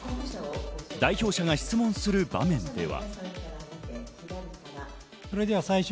代表者が質問する場面では。